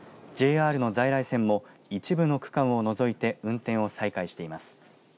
ＪＲの在来線も一部の区間を除いて運転を再開しています。